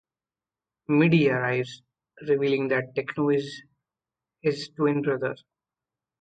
Middy arrives, revealing that Techno is his twin brother.